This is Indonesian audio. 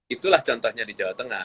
itulah contohnya di jawa tengah